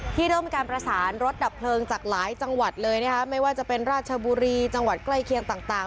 เริ่มมีการประสานรถดับเพลิงจากหลายจังหวัดเลยนะคะไม่ว่าจะเป็นราชบุรีจังหวัดใกล้เคียงต่าง